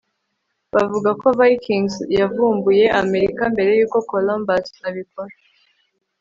bavuga ko vikings yavumbuye amerika mbere yuko columbus abikora